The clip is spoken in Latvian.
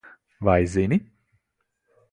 Vai zini?